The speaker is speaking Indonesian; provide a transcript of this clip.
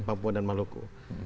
papua dan maluku